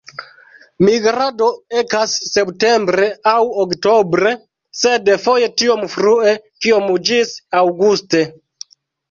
Migrado ekas septembre aŭ oktobre, sed foje tiom frue kiom ĝis aŭguste.